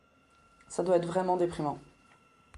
Ça doit être vraiment déprimant.